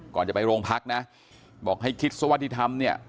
ก่อนจะไปโรงพักนะบอกให้คิดสวัสดิธรรมเนี่ย